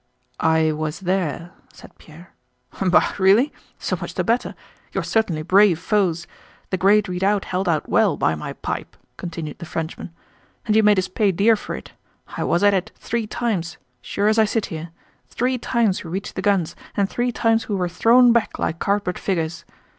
"I was there," said Pierre. "Bah, really? So much the better! You are certainly brave foes. The great redoubt held out well, by my pipe!" continued the Frenchman. "And you made us pay dear for it. I was at it three times—sure as I sit here. Three times we reached the guns and three times we were thrown back like cardboard figures.